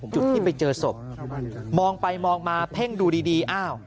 จุดที่ไปเจอศพมองไปมองมาเพ่งดูดีอ้าว